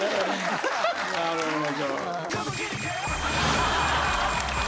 なるほど。